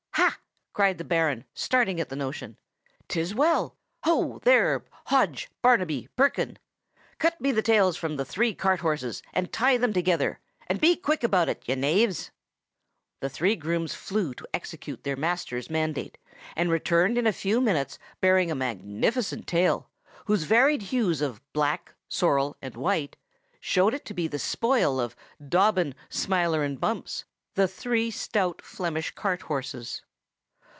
"Ha!" cried the Baron, starting at the notion. "'Tis well! Ho! there, Hodge, Barnaby, Perkin! Cut me the tails from the three cart horses, and tie them together. And be quick about it, ye knaves!" The three grooms flew to execute their master's mandate, and returned in a few minutes, bearing a magnificent tail, whose varied hues of black, sorrel, and white, showed it to be the spoil of Dobbin, Smiler, and Bumps, the three stout Flemish cart horses.